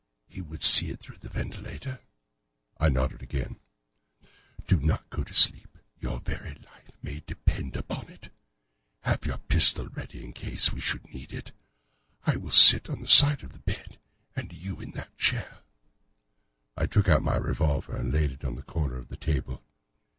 He would see it through the ventilator." I nodded again. "Do not go asleep; your very life may depend upon it. Have your pistol ready in case we should need it. I will sit on the side of the bed, and you in that chair." I took out my revolver and laid it on the corner of the table.